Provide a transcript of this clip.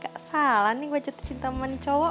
gak salah nih gue cinta cinta sama cowok